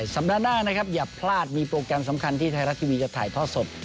สัปดาห์หน้านะครับอย่าพลาดมีโปรแกรมสำคัญที่ไทยรัฐทีวีจะถ่ายทอดสด